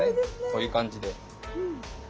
こういう感じで。